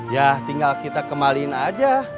ya tinggal kita kenalin aja